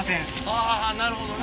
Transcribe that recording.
あなるほどね。